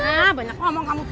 nah banyak ngomong kamu